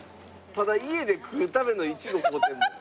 ただ家で食うためのイチゴ買うてるもん。